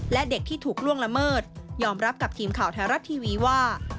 และเด็กที่ถูกล่วงละเมิดยอมรับกับทีมข่าวไทยรัฐทีวีว่า